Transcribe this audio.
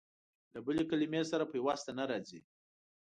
له بلې کلمې سره پيوسته نه راځي.